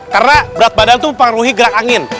karena berat badan itu mempengaruhi gerak angin